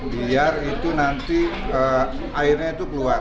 biar itu nanti airnya itu keluar